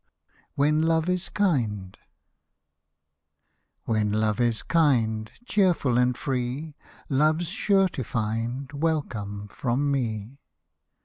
WHEN LOVE IS KIND When Love is kind, Cheerful and free, Love's sure to find Welcome from me.